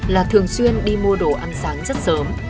là thường xuyên đi mua đồ ăn sáng rất sớm